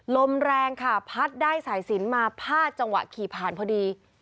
ลมแรงค่ะพัดได้สายสินมาพาดจังหวะขี่ผ่านพอดี